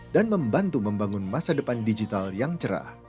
membantu membangun masa depan digital yang cerah